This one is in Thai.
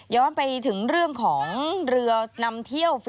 ย้อนไปถึงเรื่องของเรือรวม